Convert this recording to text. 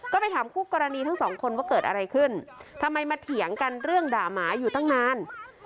ก็ไปถามคู่กรณีทั้งสองคนว่าเกิดอะไรขึ้นทำไมมาเถียงกันเรื่องด่าหมาอยู่ตั้งนาน